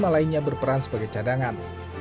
lima lainnya berperan sebagai cadangan